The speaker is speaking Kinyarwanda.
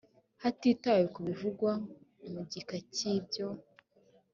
hatitawe ku bivugwa mu gika cya ibyo